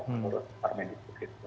menurut permendikbud no enam